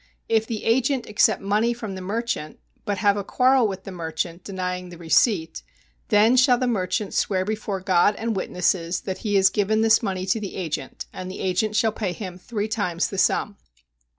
If the agent accept money from the merchant, but have a quarrel with the merchant [denying the receipt], then shall the merchant swear before God and witnesses that he has given this money to the agent, and the agent shall pay him three times the sum.